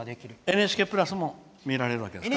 「ＮＨＫプラス」も見られるわけですか？